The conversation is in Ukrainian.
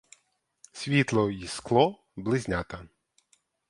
Світло й скло — близнята.